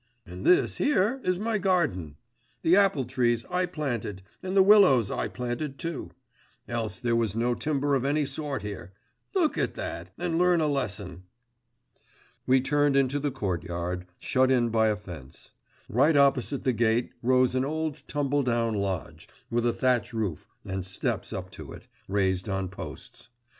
And this here is my garden; the apple trees I planted, and the willows I planted too. Else there was no timber of any sort here. Look at that, and learn a lesson!' We turned into the courtyard, shut in by a fence; right opposite the gate, rose an old tumbledown lodge, with a thatch roof, and steps up to it, raised on posts.